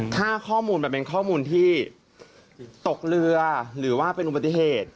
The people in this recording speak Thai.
ถ้าข้อมูลมันเป็นข้อมูลที่ตกเรือหรือว่าเป็นอุบัติเหตุ